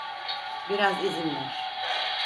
Biraz izin ver.